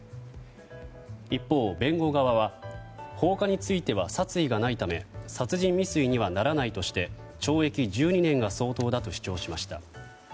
一方、弁護側は放火については殺意がないため殺人未遂にはならないとして懲役１２年が相当だと主張しました。